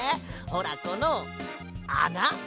ほらこのあな！